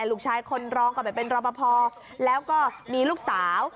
ลูกชายคนรองก็ไปเป็นรอปภแล้วก็มีลูกสาว